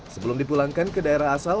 sebelum dipulangkan ke daerah asal